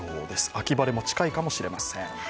秋晴れも近いかもしれません。